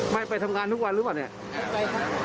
ไม่ไปทำงานทุกวันหรือเปล่าเนี่ย